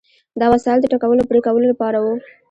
دا وسایل د ټکولو او پرې کولو لپاره وو.